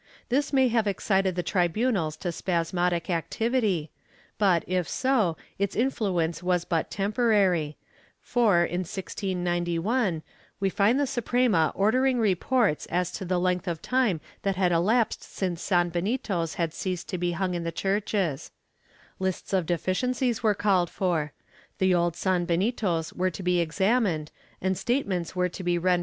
This may have excited the tribunals to spasmodic activity but, if so, its influence was but temporary for, in 1691, we find the Suprema ordering reports as to the length of time that had elapsed since sanbenitos had ceased to be hung in the churches; lists of deficiencies were called for; the old san benitos were to be examined and statements were to be rendered » Archive de Simancas Inq.